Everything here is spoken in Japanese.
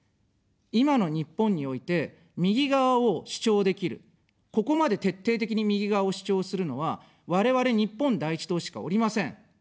今の日本において、右側を主張できる、ここまで徹底的に右側を主張するのは我々、日本第一党しかおりません。